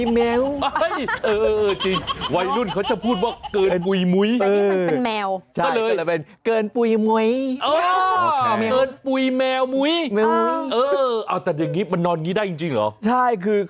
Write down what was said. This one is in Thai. มันนอนอย่างนี้ได้เหรอ